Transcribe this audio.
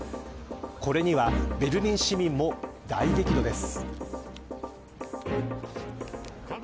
これにはベルリン市民も大激怒です。